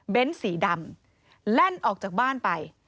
สีดำแล่นออกจากบ้านไป